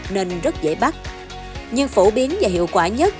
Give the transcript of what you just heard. nên rất dễ bắt nhưng phổ biến và hiệu quả nhất